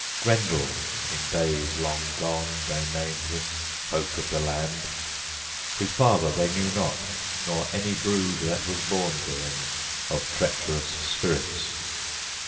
Grendel in days long gone they named him, folk of the land; his father they knew not, nor any brood that was born to him of treacherous spirits.